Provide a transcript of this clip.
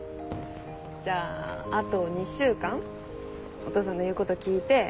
じゃああと２週間お父さんの言うこと聞いていい子にしててね。